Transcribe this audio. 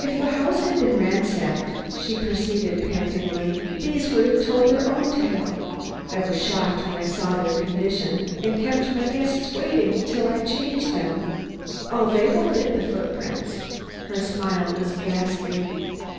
"If the house had been ransacked," she proceeded pantingly, "these would have told their own tale. I was shocked when I saw their condition, and kept my guests waiting till I changed them. Oh, they will fit the footprints." Her smile was ghastly.